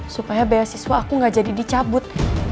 supaya beasiswa aku gak jadi dicabut